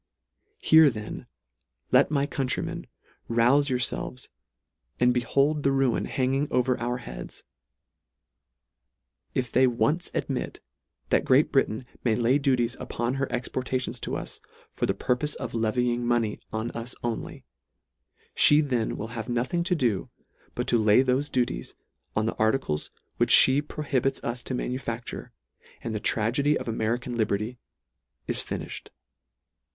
Here then, let my countrymen, rouse yourfelves, and behold the ruin hanging o ver their heads. If they ONCE admit, that Great Britain may lay duties upon her ex portations to us, for the purpofe of levying money on us only, (lie then will have nothing to do, but to lay thofe duties on the arti cles which fhe prohibits us to manufacture — and the tragedy of American liberty is finifh ed.